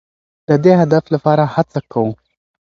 د دې هدف لپاره هڅه کوو.